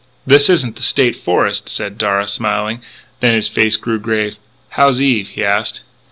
"This isn't the State Forest," said Darragh, smiling. Then his face grew grave: "How is Eve?" he asked.